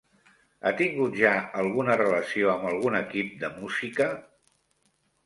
Ha tingut ja alguna relació amb algun equip de música?